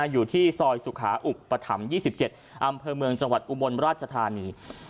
อยู่ที่ซอยสุขาอุปถัมภ์๒๗อำเภอเมืองจังหวัดอุบลราชธานี